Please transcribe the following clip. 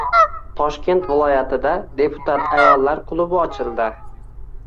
Toshkent viloyatida “Deputat ayollar klubi” ochildi